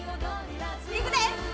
いくで！